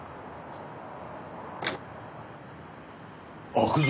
開くぞ。